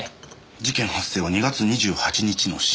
事件発生は２月２８日の深夜。